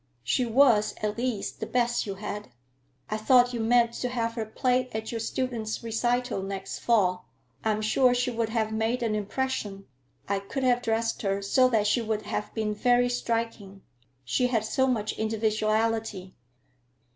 She was, at least, the best you had. I thought you meant to have her play at your students' recital next fall. I am sure she would have made an impression. I could have dressed her so that she would have been very striking. She had so much individuality."